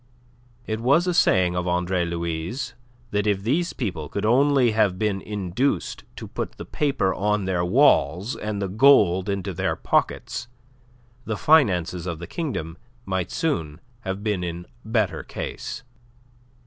It was a saying of Andre Louis' that if these people could only have been induced to put the paper on their walls and the gold into their pockets, the finances of the kingdom might soon have been in better case.